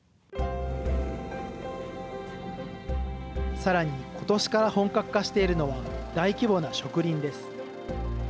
さらにことしから本格化しているのは大規模な植林です。